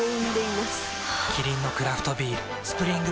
キリンのクラフトビール「スプリングバレー」